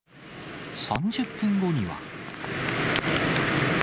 ３０分後には。